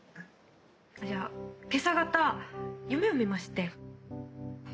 じゃあ今朝方夢を見まして。